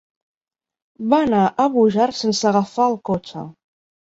Va anar a Búger sense agafar el cotxe.